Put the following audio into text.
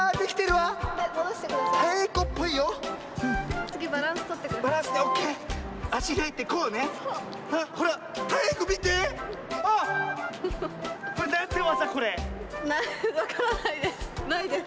わからないです。